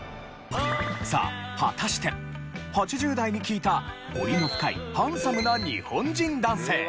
さあ果たして８０代に聞いた彫りの深いハンサムな日本人男性。